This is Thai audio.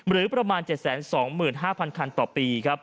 หรือประมาณ๗๒๕๐๐๐คันต่อปี